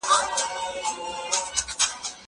ميلمه د کتابتون له خوا هرکلی کيږي!؟